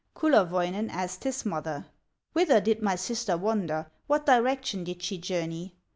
Kullerwoinen asked his mother: "Whither did my sister wander, What direction did she journey?"